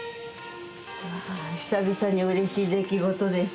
うわ久々にうれしい出来事です。